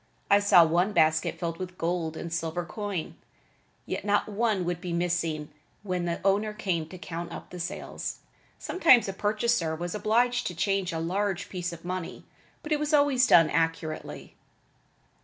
I saw one basket filled with gold and silver coin, yet not one would be missing when the owner came to count up the sales. Sometimes a purchaser was obliged to change a large piece of money, but it was always done accurately.